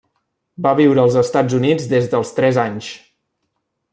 Va viure als Estats Units des dels tres anys.